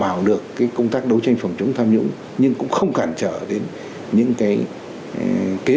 đảm bảo được cái công tác đấu tranh phòng chống tham nhũng nhưng cũng không cản trở đến những cái kế